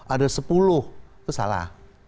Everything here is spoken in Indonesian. ada sepuluh itu salah